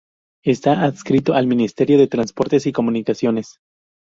Está adscrito al Ministerio de Transportes y Comunicaciones.